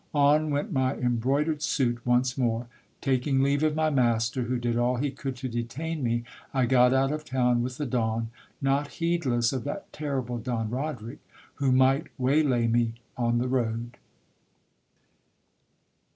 On went my embroidered suit once more. Taking leave of my master, who did all he could to detain me, I got out of town with the dawn, not heedless of that terrible Don Roderic, who might waylay me on the road.